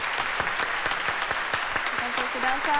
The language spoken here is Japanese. お掛けください。